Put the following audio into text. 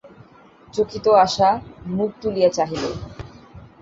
চকিত আশা মুখ তুলিয় চাহিল।